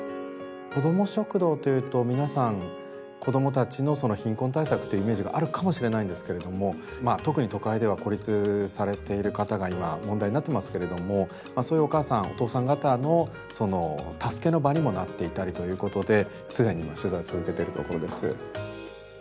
こども食堂というと皆さん、子どもたちの貧困対策というイメージがあるかもしれないんですけれども特に都会では孤立されている方が今、問題になってますけれどもそういうお母さん、お父さん方の助けの場にもなっていたりということで、すでに取材を続けているところです。